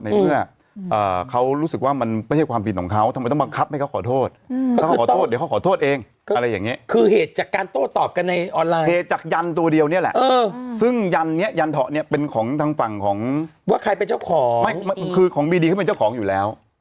ไม่คือของมีดีเขาเป็นเจ้าของอยู่แล้ว